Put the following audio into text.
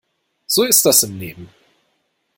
So ist das im Leben.